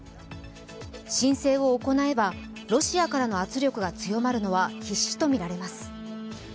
申請を行えば、ロシアからの圧力が強まるのは必至とみられます。